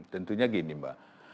tentunya gini mbak